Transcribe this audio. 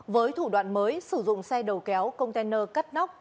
với thủ đoạn mới sử dụng xe đầu kéo container cắt nóc